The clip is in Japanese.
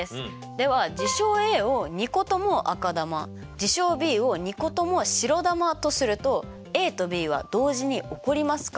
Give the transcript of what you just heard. では事象Ａを２個とも赤球事象Ｂを２個とも白球とするとＡとＢは同時に起こりますか？